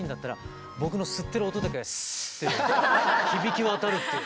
響き渡るっていう。